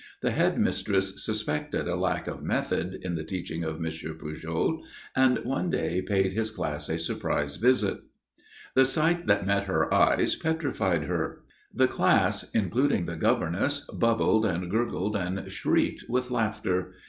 The head mistress suspected a lack of method in the teaching of M. Pujol, and one day paid his class a surprise visit. The sight that met her eyes petrified her. The class, including the governess, bubbled and gurgled and shrieked with laughter. M.